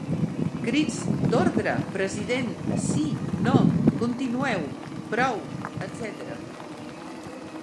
Crits d'"Ordre!", "President!", "Sí!", "No!", "Continueu!", "Prou!", etc.